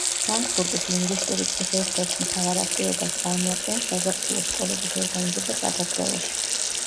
ფრანკფურტის ლინგვისტური წრის ერთ-ერთ მთავარ აქტივობას წარმოადგენს საზაფხულო სკოლების ორგანიზება საქართველოში.